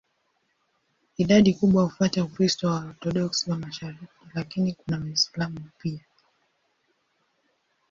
Idadi kubwa hufuata Ukristo wa Waorthodoksi wa mashariki, lakini kuna Waislamu pia.